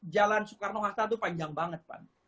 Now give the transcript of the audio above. jalan soekarno hatta itu panjang banget pak